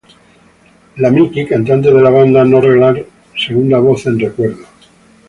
La Miki, cantante de la banda No Relax, segunda voz en “Recuerdo".